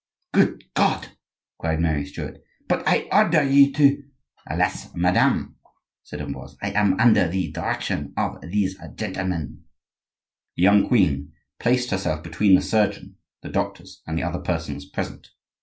"Good God!" cried Mary Start, "but I order you to—" "Alas! madame," said Ambroise, "I am under the direction of these gentlemen." The young queen placed herself between the surgeon, the doctors, and the other persons present.